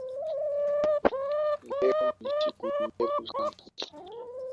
Leo ni siku ndefu sana.